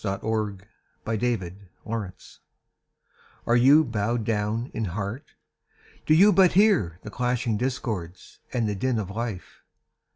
DEEP IN THE QUIET WOOD Are you bowed down in heart? Do you but hear the clashing discords and the din of life?